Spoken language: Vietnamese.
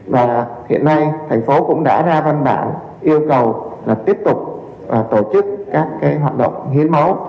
và hiện nay thành phố cũng đã ra văn bản yêu cầu là tiếp tục tổ chức các hoạt động hiến máu